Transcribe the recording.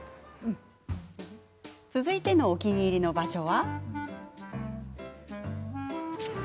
続いてのお気に入りの場所は。